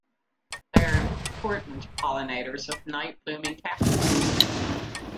They are important pollinators of night-blooming cactus.